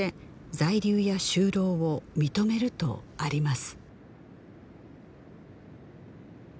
「在留や就労を認める」とあります